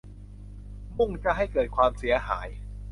มุ่งจะให้เกิดความเสียหาย